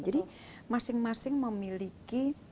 jadi masing masing memiliki